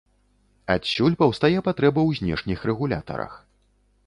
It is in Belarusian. Адсюль паўстае патрэба ў знешніх рэгулятарах.